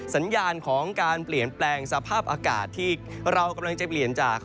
สัญญาณของการเปลี่ยนแปลงสภาพอากาศที่เรากำลังจะเปลี่ยนจาก